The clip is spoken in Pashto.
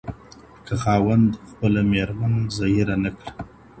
که خاوند خپله ميرمن زهيره نکړه.